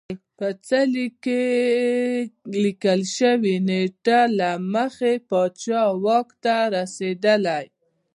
په څلي کې لیکل شوې نېټه له مخې پاچا واک ته رسېدلی